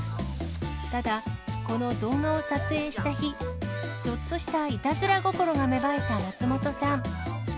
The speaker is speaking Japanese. ただ、この動画を撮影した日、ちょっとしたいたずら心が芽生えた松本さん。